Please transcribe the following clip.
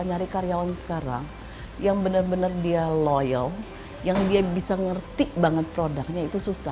nyari karyawan sekarang yang benar benar dia loyal yang dia bisa ngerti banget produknya itu susah